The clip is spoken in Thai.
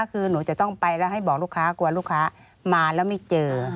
คือหนูจะต้องไปแล้วให้บอกลูกค้ากลัวลูกค้ามาแล้วไม่เจอ